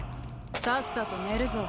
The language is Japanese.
さっさと寝るぞ。